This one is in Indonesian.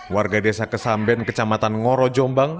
warga desa kesamben kecamatan ngoro jombang